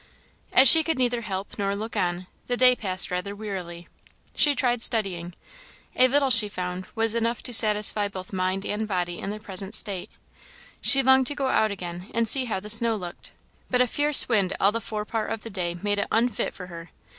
As she could neither help nor look on, the day passed rather wearily. She tried studying; a very little, she found, was enough to satisfy both mind and body in their present state. She longed to go out again and see how the snow looked, but a fierce wind all the fore part of the day made it unfit for her.